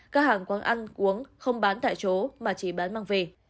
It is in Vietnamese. các hàng quán ăn uống không bán tại chỗ mà chỉ bán mang về